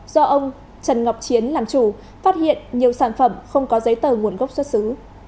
do ông trần ngọc chiến làm chủ phát hiện nhiều sản phẩm không có giấy tờ nguồn gốc xuất xứ